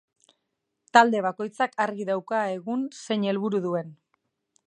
Talde bakoitzak argi dauka egun zein helburu duen.